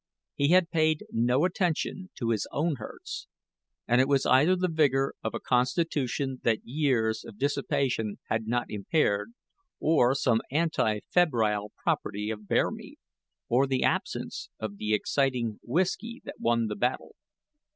He had paid no attention to his own hurts, and it was either the vigor of a constitution that years of dissipation had not impaired, or some anti febrile property of bear meat, or the absence of the exciting whisky that won the battle.